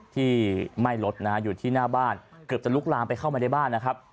ที่ไหม้รถนะฮะอยู่ที่หน้าบ้านเกือบจะลุกลามไปเข้ามาในบ้านนะครับ